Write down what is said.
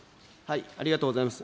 ありがとうございます。